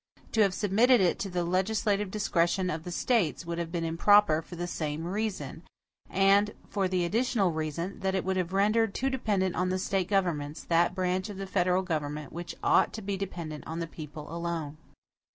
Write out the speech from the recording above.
To have submitted it to the legislative discretion of the States, would have been improper for the same reason; and for the additional reason that it would have rendered too dependent on the State governments that branch of the federal government which ought to be dependent on the people alone.